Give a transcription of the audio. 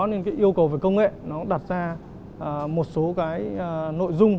nên yêu cầu về công nghệ đặt ra một số nội dung